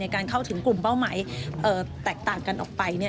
การเข้าถึงกลุ่มเป้าหมายแตกต่างกันออกไป